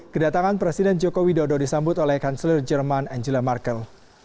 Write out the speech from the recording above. kedatangan presiden jokowi dodo disambut oleh kansler jerman angela merkel